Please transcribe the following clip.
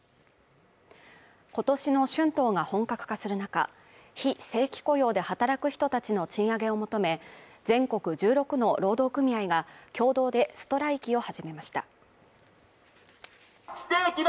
今年の春闘が本格化する中、非正規雇用で働く人たちの賃上げを求め、全国１６の労働組合が共同でストライキを始めました。